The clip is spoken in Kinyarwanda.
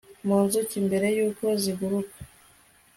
mu nzuki mbere yuko ziguruka